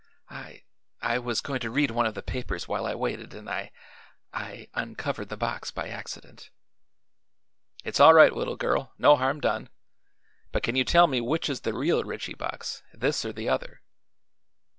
"I I was going to read one of the papers, while I waited, and I I uncovered the box by accident." "It's all right, little girl. No harm done. But can you tell me which is the real Ritchie box this or the other?"